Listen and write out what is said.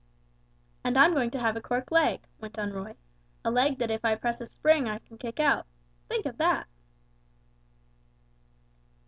"And I'm going to have a cork leg," went on Roy, "a leg that if I press a spring I can kick out. Think of that!"